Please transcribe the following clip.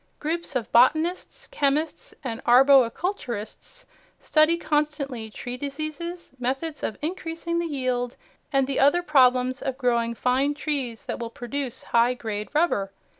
Groups of botanists, chemists and arboriculturists study constantly tree diseases, methods of increasing the yield, and the other problems of growing fine trees that will produce high grade rubber.